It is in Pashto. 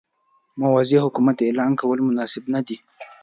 موازي حکومت اعلان کول مناسب نه دي.